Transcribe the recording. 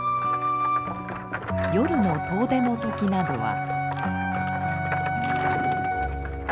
夜の遠出の時などは。